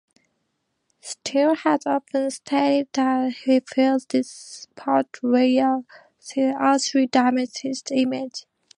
Steel has often stated that he feels this portrayal seriously damaged his image.